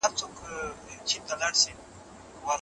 د ایران پوځ په بشپړ ډول منحل شو.